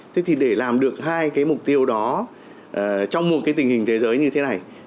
thế thì để làm được hai cái mục tiêu đó trong một cái tình hình thế giới như thế này